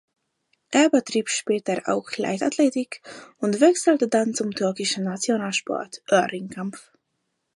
Er betrieb später auch Leichtathletik und wechselte dann zum türkischen Nationalsport Öl-Ringkampf.